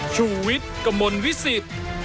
ชูเว็ตกมลวิสิต